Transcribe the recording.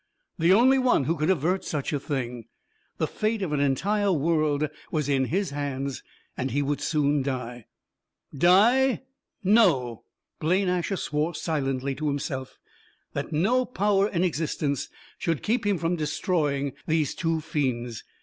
The only one who could avert such a thing. The fate of an entire world was in his hands. And he would soon die. Die? No! Blaine Asher swore silently to himself that no power in existence should keep him from destroying these two fiends.